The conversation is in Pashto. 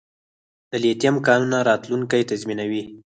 د لیتیم کانونه راتلونکی تضمینوي